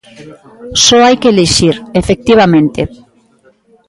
Só hai que elixir, efectivamente.